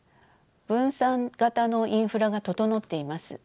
分散型のインフラが整っています。